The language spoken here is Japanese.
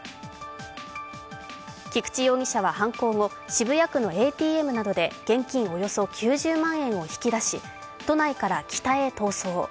菊池容疑者は犯行後、渋谷区のＡＴＭなどで現金およそ９０万円を引き出し都内から北へ逃走。